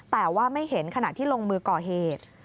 แต่ว่าไม่เห็นขณะที่ลงมือก่อเหตุ